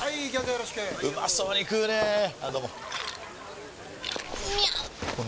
よろしくうまそうに食うねぇあどうもみゃう！！